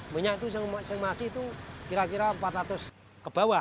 minyak itu masing masing itu kira kira empat ratus ke bawah